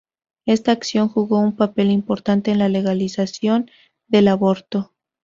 Esta acción jugó un papel importante en la legalización del aborto.